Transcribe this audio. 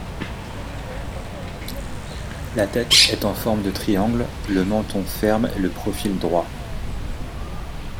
La tête est en forme de triangle, le menton ferme et le profil droit.